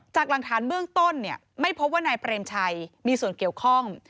จากหลักฐานเบื้องต้นไม่พบว่านายเปรมชัยมีส่วนเกี่ยวข้อง